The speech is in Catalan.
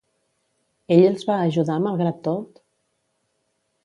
Ell els va ajudar, malgrat tot?